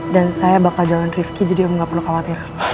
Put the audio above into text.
dan saya bakal jauhin rifqi jadi om gak perlu khawatir